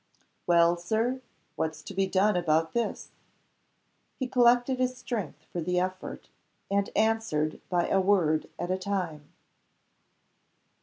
"Well, Sir? What's to be done about this?" He collected his strength for the effort; and answered by a word at a time.